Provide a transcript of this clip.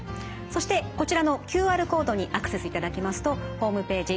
そしてこちらのＱＲコードにアクセスいただきますとホームページ